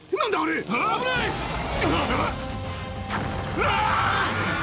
うわ！